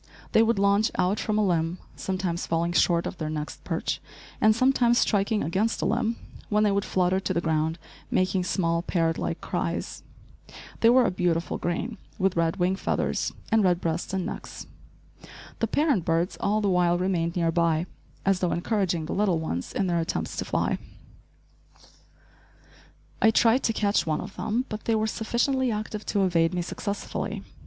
They would launch out from a limb, sometimes falling short of their next perch, and sometimes striking against a limb, when they would flutter to the ground, making small, parrot like cries. They were a beautiful green, with red wing feathers and red breasts and necks. The parent birds all the while remained near by, as though encouraging the little ones in their attempts to fly. I tried to catch one of them, but they were sufficiently active to evade me successfully.